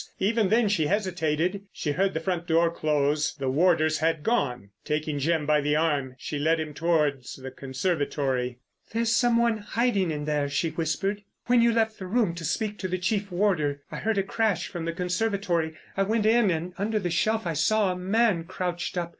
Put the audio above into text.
Even then she hesitated. She heard the front door close. The warders had gone. Taking Jim by the arm she led him towards the conservatory. "There's some one hiding in there," she whispered. "When you left the room to speak to the chief warder I heard a crash from the conservatory. I went in, and under the shelf I saw a man crouched up.